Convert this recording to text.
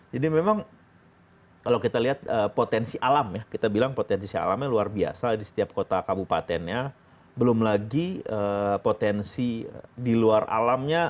jadi memang kalau kita lihat potensi alam ya kita bilang potensi alamnya luar biasa di setiap kota kabupatennya belum lagi potensi di luar alamnya